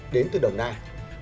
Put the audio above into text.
đến từ đồng nai